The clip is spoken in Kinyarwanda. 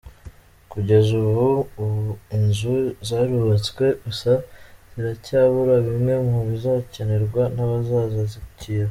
Kugeza ubu inzu zarubatswe gusa ziracyabura bimwe mu bizakenerwa n’abazazakira.